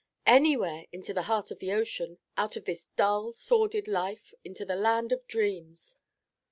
Anywhere into the heart of the ocean, out of this dull, sordid life into the land of dreams."